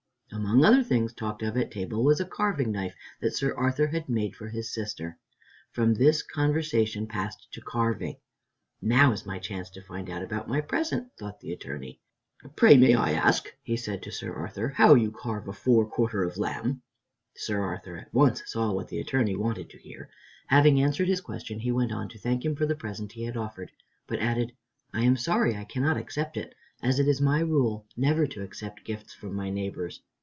Among other things talked of at table was a carving knife that Sir Arthur had made for his sister. From this the conversation passed to carving. "Now is my chance to find out about my present," thought the Attorney. "Pray, may I ask," he said to Sir Arthur, "how you carve a fore quarter of lamb?" Sir Arthur at once saw what the Attorney wanted to hear. Having answered his question, he went on to thank him for the present he had offered, but added, "I am sorry I cannot accept it, as it is my rule never to accept gifts from my neighbors.